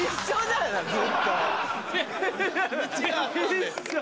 一緒。